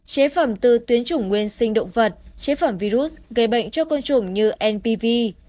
chế phẩm từ tuyến chủng nguyên sinh động vật chế phẩm virus gây bệnh cho côn trùng như npv